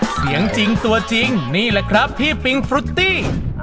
เสียงจริงตัวจริงนี่แหละครับพี่ปิงฟรุตตี้